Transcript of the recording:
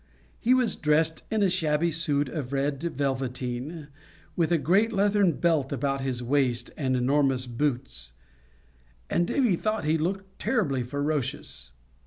He was dressed in a shabby suit of red velveteen, with a great leathern belt about his waist and enormous boots, and Davy thought he looked terribly ferocious.